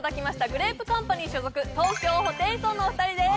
グレープカンパニー所属東京ホテイソンのお二人です